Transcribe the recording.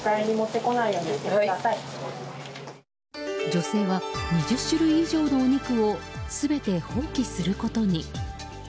女性は２０種類以上のお肉を全て放棄することに。